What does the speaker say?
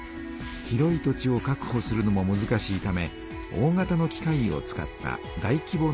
広い土地をかくほするのもむずかしいため大型の機械を使った大きぼ